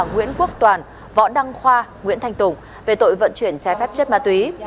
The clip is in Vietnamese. nguyễn quốc toàn võ đăng khoa nguyễn thành tùng về tội vận chuyển trai phép chất ma túy